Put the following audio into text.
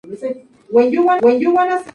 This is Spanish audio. Familiarmente era llamada Malena.